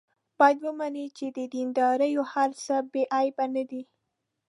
باید ومني چې د دیندارو هر څه بې عیبه نه دي.